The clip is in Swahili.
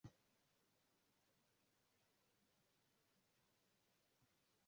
Dereva alimuuliza kama hana hela ya kawaida Jacob akamwambia asubiri aangalie